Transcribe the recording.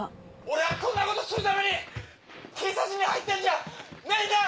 俺はこんなことするために警察に入ったんじゃねえんだ！